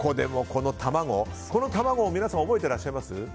この卵、皆さん覚えていらっしゃいます？